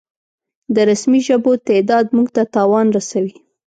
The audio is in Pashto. د رسمي ژبو تعداد مونږ ته تاوان رسوي